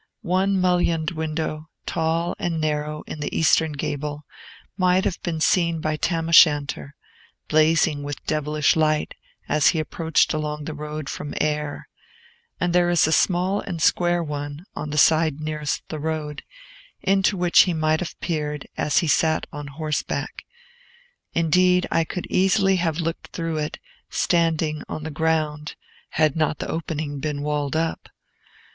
One mullioned window, tall and narrow, in the eastern gable, might have been seen by Tam O'Shanter, blazing with devilish light, as he approached along the road from Ayr; and there is a small and square one, on the side nearest the road, into which he might have peered, as he sat on horseback. Indeed, I could easily have looked through it, standing on the ground, had not the opening been walled up.